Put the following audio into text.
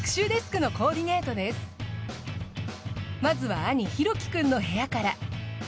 まずは兄弘樹くんの部屋から。